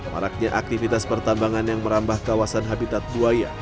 maraknya aktivitas pertambangan yang merambah kawasan habitat buaya